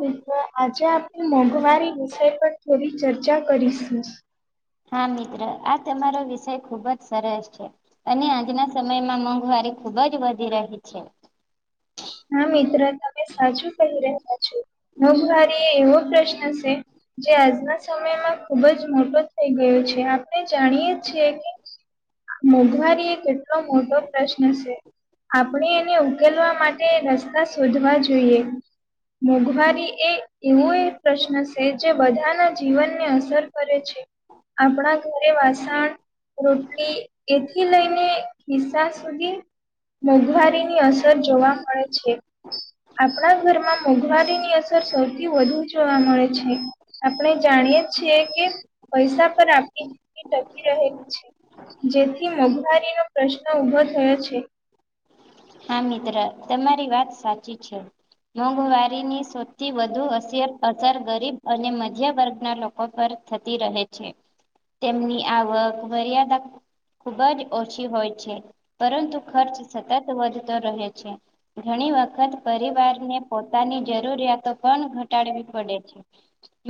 મિત્રો આજે આપ મોંઘવારી વિષય પર થોડી ચર્ચા કરીશું હા મિત્ર આ તમારો વિષય ખુબ જ સરસ છે અને આજના સમયમાં મોંઘવારી ખુબ જ વધી રહી છે હા મિત્ર તમે સાચું કહી રહ્યા છો. મોંઘવારી એ એવો પ્રશ્ન છે? જે આજના સમયમાં ખુબ જ મોટો થઈ ગયો છે આપણે જાણીએ છીએ કે. મોંઘવારી એ કેટલો મોટો પ્રશ્ન છે આપણે એને ઉકેલવા માટે રસ્તા શોધવા જોઈએ મોંઘવારી એ એવો એક પ્રશ્ન છે જે બધાના જીવનને અસર કરે છે આપણા ઘરે વાસણ રોટલી એથી લઈને ખિસ્સા સુધી મોંઘવારીની અસર જોવા મળે છે આપણા ઘરમાં મોંઘવારીની અસર સૌથી વધુ જોવા મળે છે આપણે જાણીએ છીએ કે પૈસા પર આપણી જિંદગી ટકી રહેલી છે જેથી મોંઘવારીનો પ્રશ્ન ઉભો થયો છે હા મિત્ર તમારી વાત સાચી છે મોંઘવારીની સૌથી વધુ અસર અસર ગરીબ અને મધ્ય વર્ગના લોકો પર થતી રહે છે તેમની આવક મર્યાદા ખુબ જ ઓછી હોય છે પરંતુ ખર્ચ સતત વધતો રહે છે ઘણી વખત પરિવારને પોતાની જરૂરિયાતો પણ ઘટાડવી પડે છે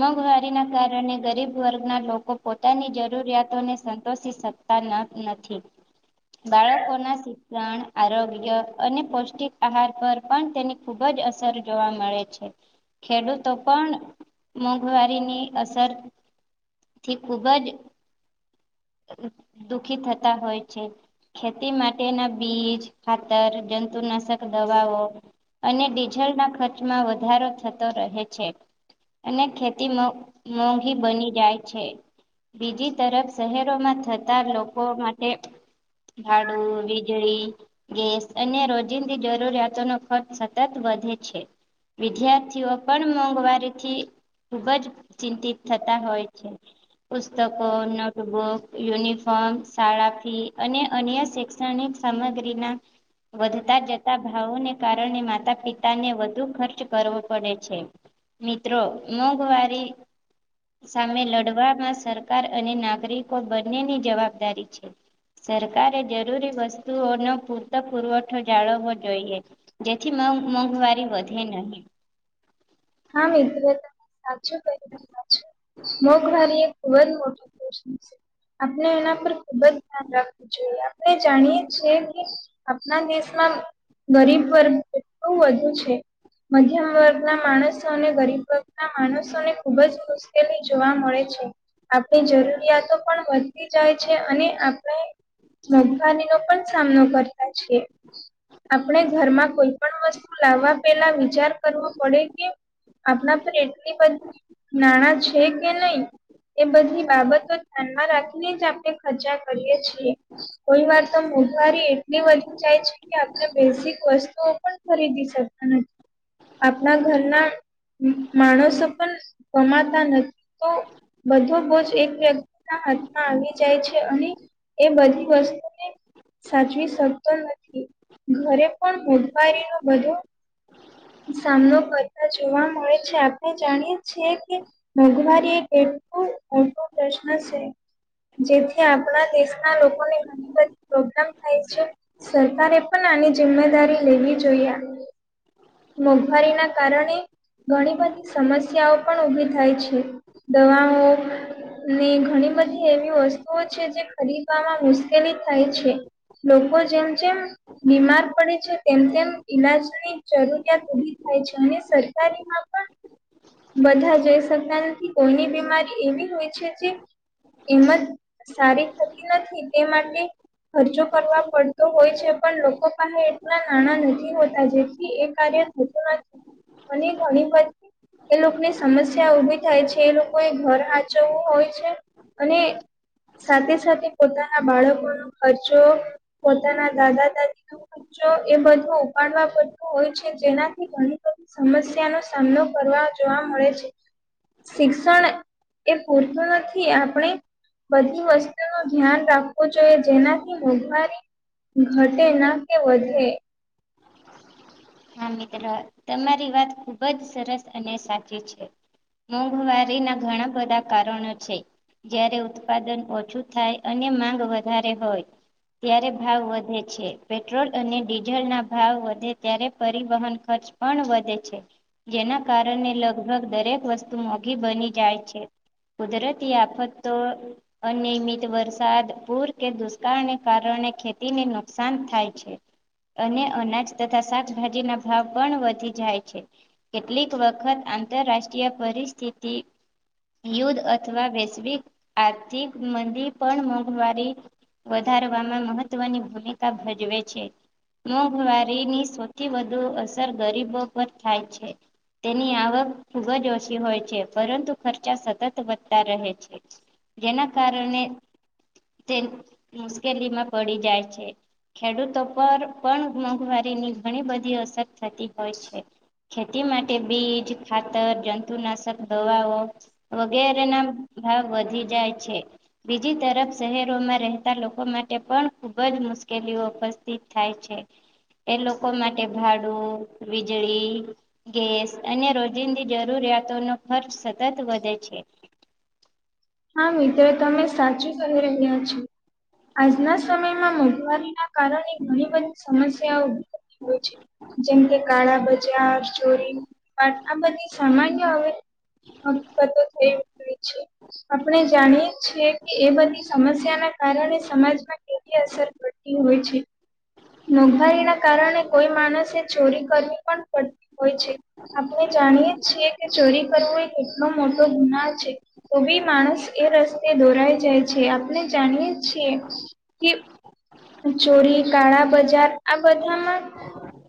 મોંઘવારીના કારણે ગરીબ વર્ગના લોકો પોતાની જરૂરિયાતોને સંતોષી શકે [inaudible] નથી બાળકો ના શિક્ષણ આરોગ્ય અને પૌષ્ટિક આહાર પર પણ તેની ખુબ જ અસર જોવા મળે છે ખેડૂતો પણ મોંઘવારીની અસર થી ખૂબ જ [inaudible] દુઃખી થતા હોય છે ખેતી માટેના બીજ ખાતર જંતુનાશક દવાઓ અને ડીઝલ ના ખર્ચમાં વધારો થતો રહે છે અને ખેતી મોંઘી બની જાય છે બીજી તરફ શહેરોમાં થતા લોકો માટે. ભાડુ, વિજળી. ગેસ અને રોજિંદી જરૂરિયાતો નો ખર્ચ સતત વધે છે. વિદ્યાર્થીઓ પણ મોંઘવારીથી. ખુબ જ ચિંતિત થતા હોય છે, પુસ્તકો, નોટબુક, યુનિ ફોમ, શાળા ફી અને અન્ય શૈક્ષણિક સામગ્રી ના વધતા જતા ભાવોને કારણે માતા પિતાને વધુ ખર્ચ કરવો પડે છે. મિત્રો, મોંઘવારી. સામે લડવામાં, સરકાર અને નાગરિકો બંનેની જવાબદારી છે. સરકારે જરૂરી વસ્તુઓનો પૂરતો પુરવઠો. જાળવવો જોઈએ, જેથી મોંઘ મોંઘવારી વધે નહીં. હા, મિત્ર, તમે સાચું કહી રહ્યા છો, મોઘવારી એક ખૂબ જ મોટો પ્રશ્ન છે. આપણે એના પર ખુબ જ ધ્યાન રાખવું જોઈએ, આપણે જાણીએ છીએ કે. આપણા દેશમાં ગરીબવર્ગ એટલું વધુ છે. મધ્યમ વર્ગના માણસ. અને ગરીબ વર્ગના માણસોને ખુબ જ મુશ્કેલી જોવા મળે છે. આપણી જરૂરિયાતો પણ વધતી જાય છે, અને આપણે મોંઘવારીનો પણ સામનો કરતા છીએ. આપણે ઘરમાં કોઈ પણ વસ્તુ લાવવા, પેલા વિચાર કરવો પડે કે. આપણા પર એટલી બધી નાણાં છે, કે નહીં, એ બધી બાબતો ધ્યાનમાં રાખીને જ આપણે ખર્ચા કરીએ છીએ. ‌ કોઈવાર તો મોંઘવારી એટલી વધી જાય છે, કે આપણે બેઝિક વસ્તુઓ પણ ખરીદી શકતા નથી, આપણા ઘરના. માણસો પણ કમાતા નથી. બધો બોજ એક વ્યક્તિ. ના હાથમાં આવી જાય છે, અને એ બધી વસ્તુને. સાચવી શકતો નથી. ઘરે પણ મોંઘવારીનો બધો સામનો કરે. ત્યાં જોવા મળે છે, આપણે જાણીએ છીએ કે. મોંઘવારી એક એટલો મોટો પ્રશ્ન છે. જેથી આપણા દેશના લોકોને ઘણી બધી પ્રોબ્લેમ થાય છે. સરકારે પણ આની જિમ્મેદારી લેવી જોઈએ. મોંઘવારીના કારણે ઘણી બધી સમસ્યાઓ પણ ઉભી થાય છે, દવાઓ. ને ઘણી બધી એવી વસ્તુઓ છે, જે ખરીદવામાં મુશ્કેલી થાય છે. લોકો જેમ જેમ બીમાર પડે છે, તેમ તેમ ઈલાજની. જરૂરિયાત ઉભી થાય છે, અને સરકારીમાં પણ બધા જોઈ શકતા નથી, કોઈની બીમારી એવી હોય છે જે. એમ જ સારી થતી નથી, તે માટે ખર્ચો કરવા પડતો હોય છે, પણ લોકો પાહે એટલા નાણાં નથી હોતા. એ કાર્ય થતું નથી, અને ઘણી બધી એ લોકની સમસ્યા ઊભી થાય છે, એ લોકોએ ઘર હાચવવું હોય છે. અને. સાથે સાથે પોતાના બાળકોનો ખર્ચો, પોતાના દાદા-દાદી. [unintelligible] એ બધું ઉપાડવા પ તો હોય છે. જેનાથી ઘણી બધી સમસ્યાનો સામનો કરવા જોવા મળે છે. શિક્ષણ એ પૂરતું નથી, આપણે બધી વસ્તુનુ ધ્યાન રાખવું જોઈએ, જેનાથી મોંઘવારી ઘટે ના કે વધે. હા મિત્ર. તમારી વાત ખુબ જ સરસ અને સાચી છે. મોંઘવારીના ઘણા બધા કારણો છે. જયારે ઉત્પાદન ઓછું થાય અને માંગ વધારે હોય. ત્યારે ભાવ વધે છે. પેટ્રોલ અને ડીઝલના ભાવ વધે ત્યારે, પરિવહન ખર્ચ પણ વધે છે. જેના કારણે લગભગ દરેક વસ્તુ મોઘી બની જાય છે. કુદરતી આફતો, અનિયમિત વરસાદ પુર કે દુષ્કાળને કારણે ખેતીને નુકસાન થાય છે. અને અનાજ તથા શાકભાજી ના ભાવ પણ વધી જાય છે. કેટલીક વખત આંતરરાષ્ટ્રીય પરિસ્થિતિ, યુદ્ધ અથવા વૈશ્વિક આર્થિક મંદી પણ મોંઘવારી, વધારવામાં મહત્વની ભુમિકા ભજવે છે મોંઘવારીની સ વથી વધુ અસર ગરીબો પર થાય છે. તેની આવક ખુબ જ ઓછી હોય છે પરંતુ ખર્ચા સતત વધતા રહે છે. જેના કારણે, તે હ મુશ્કેલી માં પડી જાય છે. ખેડૂતો પર પણ મોંઘવારીની ઘણી બધી અસર થતી હોય છે. ખેતી માટે બીજ, ખાતર, જંતુનાશક દવાઓ, વગેરેના ભાવ વધી જાય છે. બીજી તરફ શહેરોમાં રહેતા લોકો માટે પણ ખુબ જ મુશ્કેલીઓ ઉપસ્થિત થાય છે. એ લોકો માટે ભાડું, વીજળી, ગેસ અને રોજિંદી જરૂરિયાતો નો ખર્ચ સતત વધે છે. હા મિત્ર તમે સાચું કહી રહ્યા છો. આજના સમયમાં મોંઘવારીના કારણે ઘણી બધી સમસ્યાઓ ઊભી થતી હોય છે. જેમકે કાળા બજાર ચોરી આ બધી સામાન્ય હવે અ બો થઈ ઉકળે છે. આપણે જાણીએે છીએ કે એ બધી સમસ્યા ના કારણે સમાજમાં, તેની અસર પડતી હોય છે. મોંઘવારી ના કારણે કોઈ માણસે ચોરી કરવી પણ પડતી હોય છે. આપણે જાણીએે છીએ કે ચોરી કરવું એ કેટલો મોટો ગુના છે. તો ભી માણસ એ રસ્તે દોરાય જાય છે આપણે જાણીએ છીએ. કે ચોરી, કાળા બજાર આ બધામાં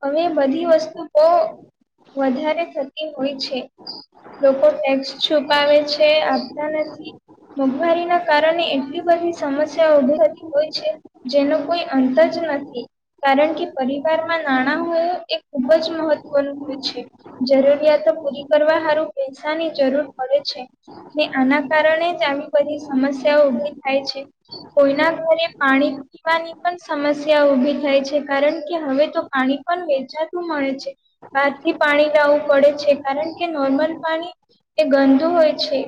હવે બધી વસ્તુ બોવ વધારે થતી હોય છે. લોકો ટેક્સ છુપાવે છે આપતા નથી. મોંઘવારી ના કારણે એટલી બધી સમસ્યા ઊભી થતી હોય છે. જેનો કોઈ અંત જ નથી. કારણ કે પરિવારમાં નાણાં હોય એ ખુબજ મહત્વનું હોય છે. જરૂરિયાતો પૂરી કરવા હારૂ પૈસાની જરૂર પડે છે. ને આના કારણે જ આવી બધી સમસ્યાઓ ઊભી થાય છે. કોઈના ઘરે પાણી પીવાની પણ સમસ્યા ઊભી થાય છે કારણ કે હવે તો પાણી પણ વેચાતું મળે છે. બાહારથી પાણી લાવું પડે છે કારણ કે નોર્મલ પાણી એ ગંદુ હોય છે.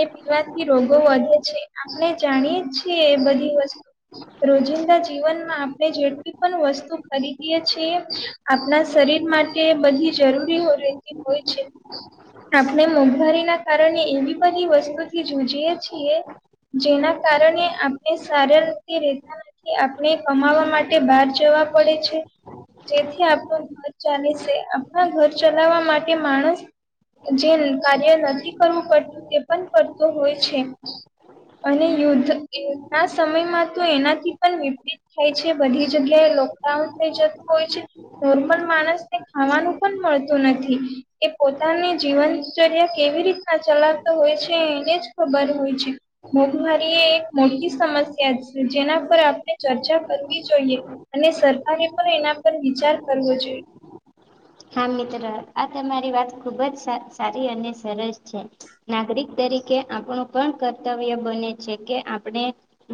એ પીવાથી રોગો વઘે છે આપણે જાણીએ છીએ એ બધી વસ્તુ રોજિંદા જીવનમાં આપણે જેટલી પણ વસ્તુ ખરીદીએે છીએ આપણા શરીર માટે બધી જરૂરી રહેતી હોય છે. આપણે મોંઘવારી ના કારણે એવી બની વસ્તુથી જુજીએ છીએ જેના કારણે આપણે સારી રીતે કે આપણે કમાવા માટે બહાર જવા પડે છે. જેથી આપણું ઘર ચાલે છે આપણા ઘર ચલાવવા માટે માણસ જેન કાર્ય નથી કરવું પડતું, તે પણ કરતો હોય છે. અને યુદ્ધ યુદ્ધ ના સમયમાં તો એના. જીવન વિપરીત થાય છે, બધી જગ્યાએ લોકડાઉન થઈ જતું હોય છે. નોર્મલ માણસને ખાવાનું પણ મળતું નથી. એ પોતાની જીવનચર્યા કેવી રીતના ચલાવતો હોય છે, એને જ ખબર હોય છે. મોંઘવારી એ એક મોટી સમસ્યા છે, જેના પર આપણે ચર્ચા કરવી જોઈએ, અને સરકારે પણ એના પર વિચાર કરવો જોઈએ. હા, મિત્ર, આ તમારી વાત ખુબ સારી અને સરસ છે. નાગરિક તરીકે આપણું પણ કર્તવ્ય બને છે કે, આપણે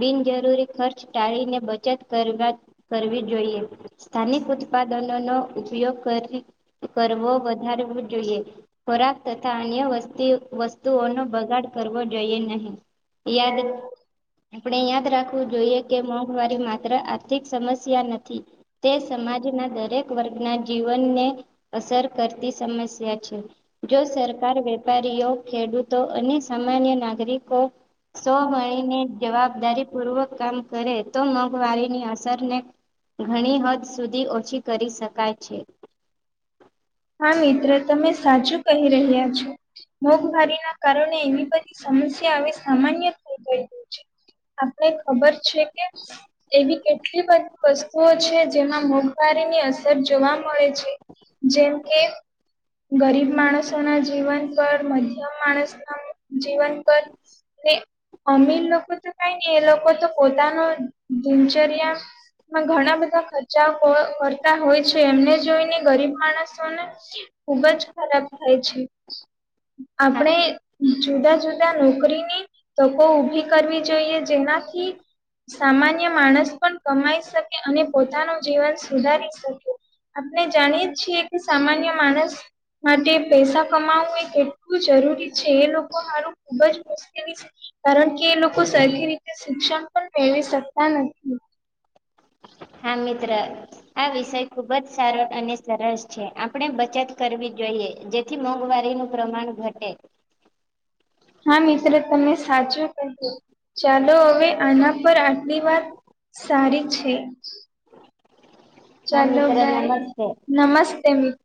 બિનજરૂરી ખર્ચ ટાળીને, બચત કરવા કરવી જોઈએ. સ્થાનિક ઉત્પાદનો નો ઉપયોગ કરવો વધારવો જોઈએ. ખોરાક તથા અન્ય વસ્તુઓનો બગાડ કરવો જોઈએ નહીં. યાદ. આપણે યાદ રાખવું જોઈએ કે, મોંઘવારી માત્ર આર્થિક સમસ્યા નથી. તે સમાજના દરેક વર્ગના જીવનને અસર કરતી સમસ્યા છે. જો સરકાર વેપારીઓ, ખેડૂતો અને સામાન્ય નાગરિકો. સૌ મળી ને, જવાબદારી પૂર્વક કામ કરે તો, મોંઘવારીની અસરને ઘણી હદ સુધી ઓછી કરી શકાય છે. હા, મિત્ર, તમે સાચું કહી રહ્યા છો, મોઘવારી ના કાર એ બધી સમસ્યા હવે સામાન્ય છે. આપને ખબર છે કે. એવી કેટલી બધી વસ્તુઓ છે, જેમાં મોંઘવારીની અસર જોવા મળે છે. જેમ કે, ગરીબ માણસો ના જીવન પર, મધ્યમ માણસ ના. જીવન કર એ, અમીર લોકો તો કઈ ને, એ લોકો તો પોતાનો દિનચર્યા. માં ઘણા બધા ખર્ચા કરતા હોય છે, એમને જોઈને ગરીબ માણસ. ખુબ જ ખરાબ થાય છે. હા આપણે જુદા-જુદા નોકરીની તો કો ઊભી કરવી જોઈએ, જેનાથી સામાન્ય માણસ પણ કમાઈ શકે, અને પોતાનું જીવન સુધારી શકે. આપણે જાણીએ છીએ કે, સામાન્ય માણસ માટે પૈસા કમાવવું એ કેટલું જરૂરી છે, એ લોકો માારું ખુબ જ મુશ્કેલી કારણ કે, એ લોકો સરખી રીતે શિક્ષણ પણ મેળવી શકતા નથી. હા, મિત્ર, આ વિષય ખુબ જ સારો અને સરસ આપણે બચત કરવી જોઈએ, જેથી મોંઘવારી નું પ્રમાણ ઘટે. હા, મિત્રો. તને સાચું કહ્યું, ચાલો, હવે આના પર આટલી વાત સારી છે. હા ચાલો, મિત્ર નમસ્તે નમસ્તે મિત.